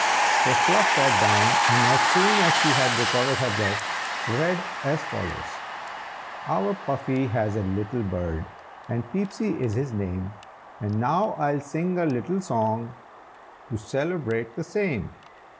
So Fluff sat down, and as soon as she had recovered her breath, read as follows: Our Puffy has a little bird, And Peepsy is his name, And now I'll sing a little song, To celebrate the same.